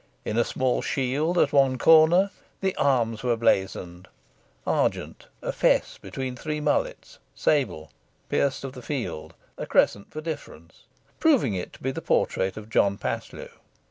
In a small shield at one corner the arms were blazoned argent, a fess between three mullets, sable, pierced of the field, a crescent for difference proving it to be the portrait of John Paslew.